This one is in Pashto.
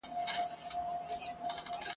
د مېړه يا ترپ دى يا خرپ ..